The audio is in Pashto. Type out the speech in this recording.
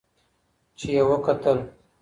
چي یې وکتل